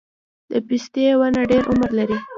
د پستې ونه ډیر عمر لري؟